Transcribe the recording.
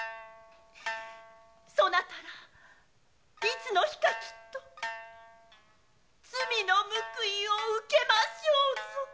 「そなたらいつの日かきっと罪の報いを受けましょうぞ！」